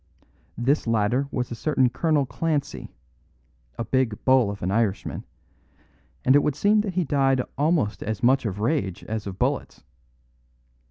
This latter was a certain Colonel Clancy, a big bull of an Irishman; and it would seem that he died almost as much of rage as of bullets.